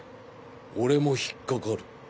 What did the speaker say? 俺も引っかかる。